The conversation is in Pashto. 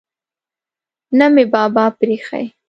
نه مې بابا پریښی.